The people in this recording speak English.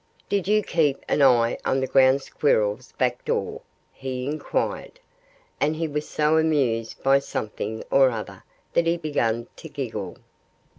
"Did you keep an eye on the Ground Squirrel's back door?" he inquired. And he was so amused by something or other that he began to giggle.